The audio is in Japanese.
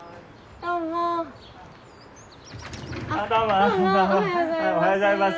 どうもおはようございます。